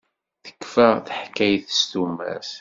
Tekfa teḥkayt s tumert.